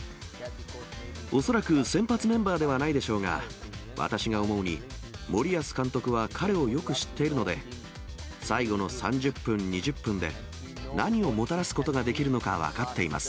恐らく先発メンバーではないでしょうが、私が思うに、森保監督は彼をよく知っているので、最後の３０分、２０分で、何をもたらすことができるのか分かっています。